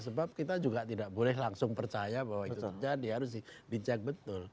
sebab kita juga tidak boleh langsung percaya bahwa itu terjadi harus dicek betul